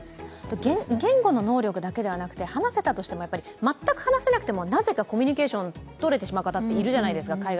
言語の能力だけじゃなくて話せなくても全く話せなくてもなぜかコミュニケーションとれてしまう方、いるじゃないですか。